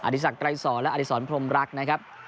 อธิสักษ์ไกรศรและอธิสรพรมรักนะครับ